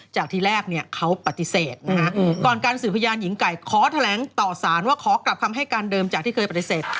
ทีแรกเนี่ยเขาปฏิเสธนะฮะก่อนการสื่อพยานหญิงไก่ขอแถลงต่อสารว่าขอกลับคำให้การเดิมจากที่เคยปฏิเสธ